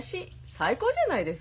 最高じゃないですか。